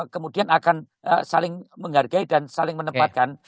kemudian akan saling menghargai dan saling menempatkan